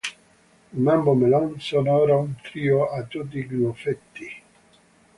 I Mambo Melon sono ora un trio a tutti gli effetti.